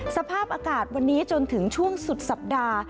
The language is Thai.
สภาพอากาศวันนี้จนถึงช่วงสุดสัปดาห์